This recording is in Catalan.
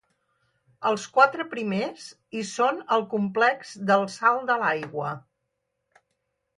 Els quatre primers hi són al Complex del Salt de l'Aigua.